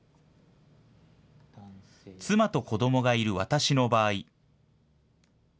妻と子どもがいる、私の場合。